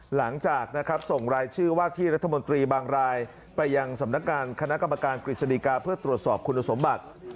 หลังจากนะครับส่งรายชื่อว่าที่รัฐมนตรีบางรายไปยังสำนักงานคณะกรรมการกฤษฎีกาเพื่อตรวจสอบคุณสมบัติ